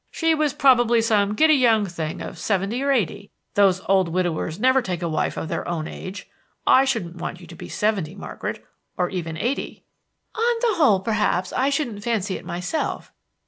"She was probably some giddy young thing of seventy or eighty. Those old widowers never take a wife of their own age. I shouldn't want you to be seventy, Margaret, or even eighty." "On the whole, perhaps, I shouldn't fancy it myself.